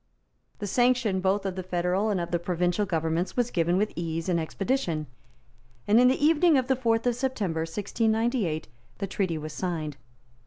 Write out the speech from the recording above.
The sanction both of the federal and of the provincial governments was given with ease and expedition; and in the evening of the fourth of September 1698, the treaty was signed.